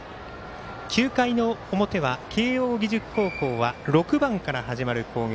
９回の表は慶応義塾高校は６番から始まる攻撃。